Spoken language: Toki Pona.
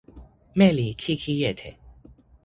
meli Kikijete